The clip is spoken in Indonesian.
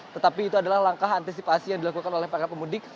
tetapi itu adalah langkah antisipasi yang dilakukan oleh para pemudik